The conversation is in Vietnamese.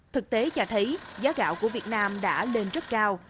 thực tế chả thấy giá gạo của việt nam đã lên rất cao